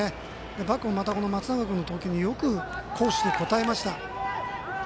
バックも松永君の投球によく好守で応えました。